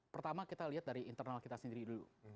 pertama kita lihat dari internal kita sendiri dulu